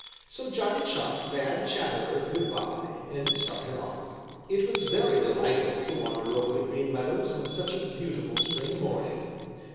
So Johnny Chuck bade Chatterer good by and started on. It was very delightful to wander over the Green Meadows on such a beautiful spring morning.